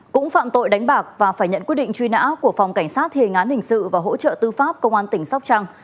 cũng phạm tội đánh bạc và phải nhận quyết định truy nã của phòng cảnh sát thề ngán hình sự và hỗ trợ tư pháp công an tỉnh sóc trăng